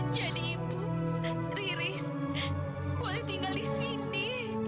jadi ibu riris boleh tinggal di sini